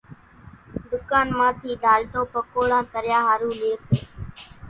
ڌُڪان مان ٿي ڍالٽو پڪوڙان تريا ۿارُو لئي سي